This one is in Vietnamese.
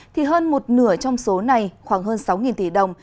thì hơn một nửa trong số này khoảng hơn sáu tỷ đồng